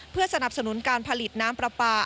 เพื่อสนับสนุนการผลิตน้ำปลาปลา